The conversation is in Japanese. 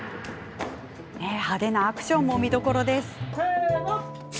派手なアクションも見どころ。